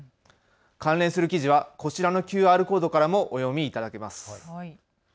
関連する記事はこちらのＱＲコードからもお読みいただけます。